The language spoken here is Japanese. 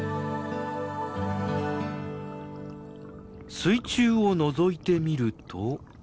水中をのぞいてみると。